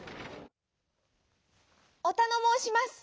「おたのもうします！